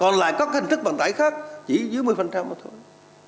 nhận thức vận tải khác chỉ dưới một mươi mà thôi